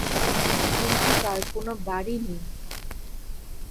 কিন্তু তার কোনো 'বাড়ি' নেই।